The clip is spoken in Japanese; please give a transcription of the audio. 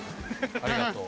ありがとう。